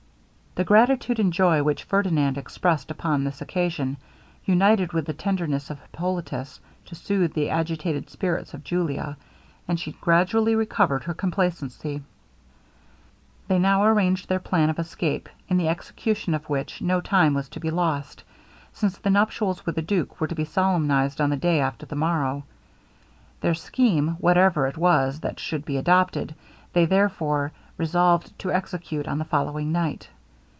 The gratitude and joy which Ferdinand expressed upon this occasion, united with the tenderness of Hippolitus to soothe the agitated spirits of Julia, and she gradually recovered her complacency. They now arranged their plan of escape; in the execution of which, no time was to be lost, since the nuptials with the duke were to be solemnized on the day after the morrow. Their scheme, whatever it was that should be adopted, they, therefore, resolved to execute on the following night.